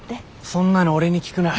そんなの俺に聞くな。